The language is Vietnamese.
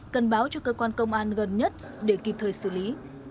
cần báo cho cơ quan công an gần nhất để kịp thời xử lý